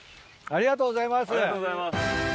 ありがとうございます。